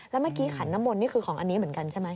แล้วเมื่อกี้ขันน้ำมนต์นี่คือของอันนี้เหมือนกันใช่ไหม